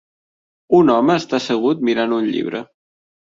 Un home està assegut mirant un llibre.